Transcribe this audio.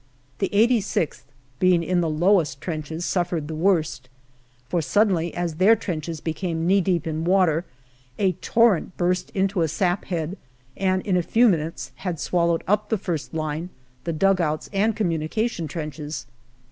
The 86th, being in the lowest trenches, suffered the worst, for suddenly, as their trenches became kneedeep in water, a torrent burst into a saphead, and in a few minutes had swallowed up the first line, the dugouts and communication trenches.